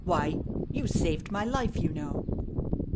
Why, you saved my life, you know!"